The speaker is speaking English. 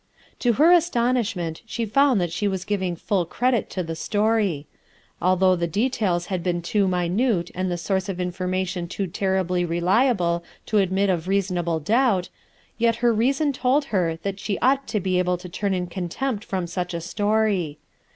To her astonishment she found that she was giving full credit to the story. Although the details had been too minute and the source of information too terribly reliable to admit of reasonable doubt, yet her reason told her that she ought to be able to turn in contempt from such a story.